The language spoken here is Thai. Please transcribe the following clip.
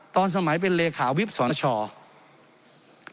ตอนสมัยเป็นเลขาวิทย์สนวชาว